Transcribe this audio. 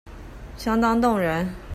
相當動人